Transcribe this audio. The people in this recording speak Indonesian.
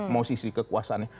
mau sisi kekuasaannya